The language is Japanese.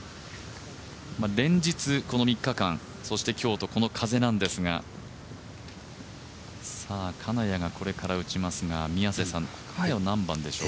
連日、この３日間、そして今日とこの風なんですが金谷がこれから打ちますがクラブ、何番でしょう？